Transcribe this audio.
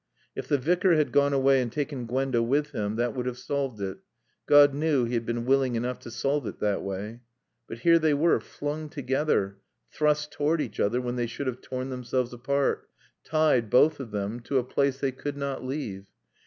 If the Vicar had gone away and taken Gwenda with him, that would have solved it. God knew he had been willing enough to solve it that way. But here they were, flung together, thrust toward each other when they should have torn themselves apart; tied, both of them, to a place they could not leave.